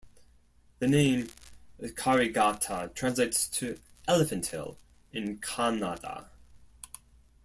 The name Karighatta translates to "Elephant Hill" in Kannada.